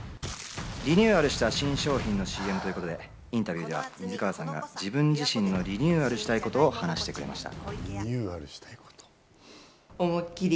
リニューアルした新商品のＣＭということで、インタビューでは水川さんが自分自身のリニューアルしたいことを話してくれました。